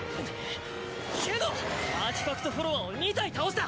けどアーティファクト・フォロワーを２体倒した。